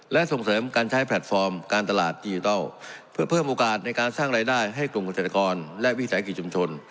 และส่งเสริมการใช้แพลตฟอร์มการตลาดดิจิทัลเพื่อเพิ่มโอกาสในการสร้างรายได้ให้กลุ่มเกษตรกรและวิสาหกิจชุมชน